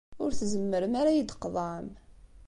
Ur tzemmrem ara ad iyi-d-tqeḍɛem.